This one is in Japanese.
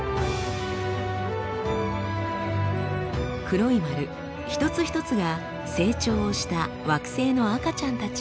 黒い丸一つ一つが成長をした惑星の赤ちゃんたち。